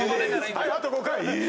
はいあと５回え！？